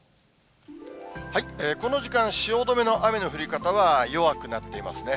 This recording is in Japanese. この時間、汐留の雨の降り方は弱くなっていますね。